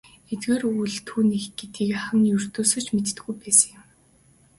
Эдгээр өгүүлэл түүнийх гэдгийг ах нь ердөөсөө ч мэддэггүй байсан юм.